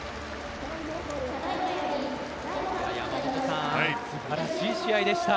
山本さん素晴らしい試合でした。